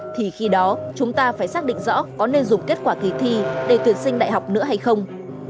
thì khi đó chúng ta phải xác định rõ có nên dùng kết quả kỳ thi để tuyển sinh đại học nữa hay không